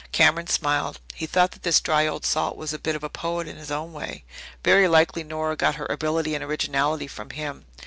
Cameron smiled. He thought that this dry old salt was a bit of a poet in his own way. Very likely Nora got her ability and originality from him.